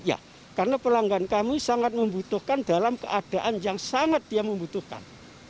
ya karena pelanggan kami sangat membutuhkan dalam keadaan yang sangat dia membutuhkan